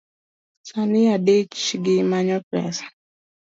Sani adich gi manyo pesa